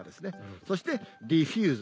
そしてリフューズ